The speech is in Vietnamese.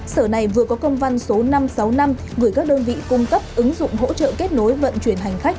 sở này vừa có công văn số năm trăm sáu mươi năm gửi các đơn vị cung cấp ứng dụng hỗ trợ kết nối vận chuyển hành khách